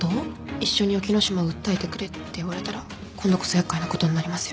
一緒に沖野島を訴えてくれって言われたら今度こそ厄介なことになりますよ。